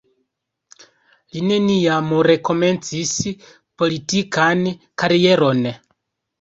Li neniam rekomencis politikan karieron.